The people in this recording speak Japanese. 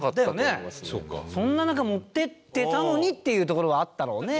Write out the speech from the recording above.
そんな中持っていってたのにっていうところはあったろうね。